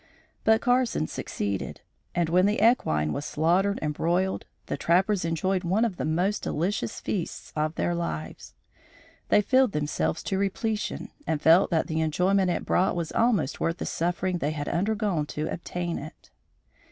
But Carson succeeded, and when the equine was slaughtered and broiled, the trappers enjoyed one of the most delicious feasts of their lives. They filled themselves to repletion and felt that the enjoyment it brought was almost worth the suffering they had undergone to obtain it.